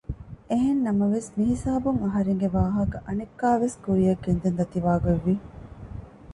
އެހެންނަމަވެސް މިހިސާބުން އަހަރެންގެ ވާހަކަ އަނެއްކާވެސް ކުރިއަށް ގެންދަން ދަތިވާގޮތް ވި